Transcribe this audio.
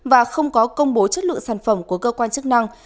và không có công bố chất lượng sản phẩm của cơ quan chức năng